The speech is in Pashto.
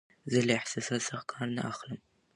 زه له احساساتو څخه کار نه اخلم.